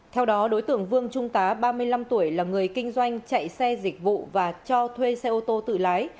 theo đó đối tượng vương trung tá ba mươi năm tuổi là người kinh doanh chạy xe dịch vụ và cho thuê xe ô tô tự lái